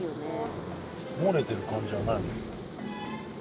漏れてる感じはない。